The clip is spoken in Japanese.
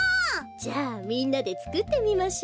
じゃあみんなでつくってみましょ。